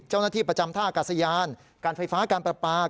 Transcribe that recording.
เจ้าหน้าที่ประจำท่าอากาศยานการไฟฟ้าการประปา